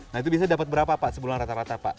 nah itu bisa dapat berapa pak sebulan rata rata pak